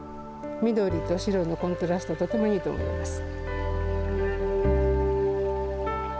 緑と白のコントラスト、とてもいいと思います。